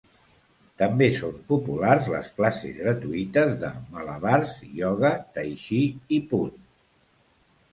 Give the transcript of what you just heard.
També són populars les classes gratuïtes de malabars, ioga, taitxí i punt.